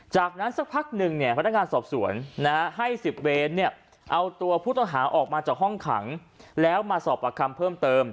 จากนั้นสักพักหนึ่งเนี่ยพนักงานสอบสวนให้๑๐เวรเอาตัวผู้ต้องหาออกมาจากห้องขังแล้วมาสอบประคำเพิ่มเติม